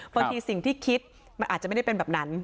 บางทีสิ่งที่คิดมันอาจจะไม่ได้เป็นแบบนั้น